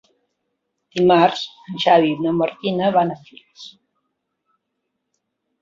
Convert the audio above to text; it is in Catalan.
Dimarts en Xavi i na Martina van a Flix.